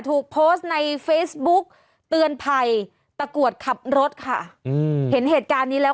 ถูกโพสต์ในเฟซบุ๊กเตือนภัยตะกรวดขับรถค่ะอืมเห็นเหตุการณ์นี้แล้ว